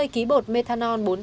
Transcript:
bốn mươi kg bột methanol